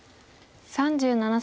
３７歳。